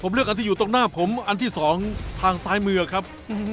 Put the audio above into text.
ผมเลือกอันที่อยู่ตรงหน้าผมอันที่สองทางซ้ายมือครับ